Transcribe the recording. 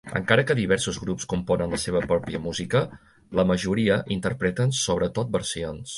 Encara que diversos grups componen la seva pròpia música, la majoria interpreten sobretot versions.